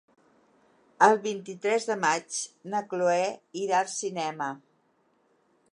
El vint-i-tres de maig na Cloè irà al cinema.